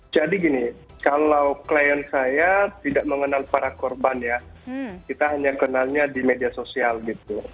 jadi gini kalau klien saya tidak mengenal para korban ya kita hanya kenalnya di media sosial gitu